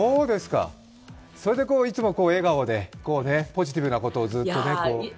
それでいつも笑顔でポジティブなことをずっとね。